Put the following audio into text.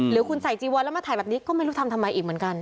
หรือคุณใส่จีวอนแล้วมาถ่ายแบบนี้ก็ไม่รู้ทำทำไมอีกเหมือนกัน